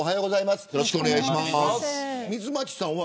よろしくお願いします。